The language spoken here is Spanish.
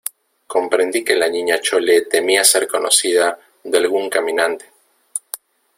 comprendí que la Niña Chole temía ser conocida de algún caminante,